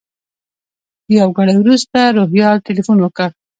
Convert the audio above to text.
یو ګړی وروسته روهیال تیلفون وکړ.